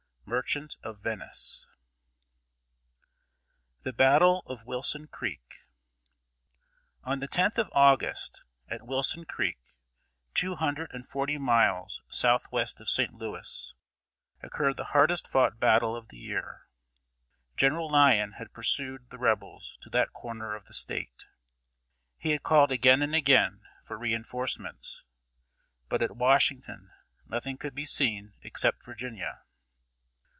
MERCHANT OF VENICE. [Sidenote: THE BATTLE OF WILSON CREEK.] On the 10th of August, at Wilson Creek, two hundred and forty miles southwest of St. Louis, occurred the hardest fought battle of the year. General Lyon had pursued the Rebels to that corner of the State. He had called again and again for re enforcements, but at Washington nothing could be seen except Virginia.